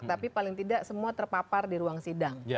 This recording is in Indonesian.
tapi paling tidak semua terpapar di ruang sidang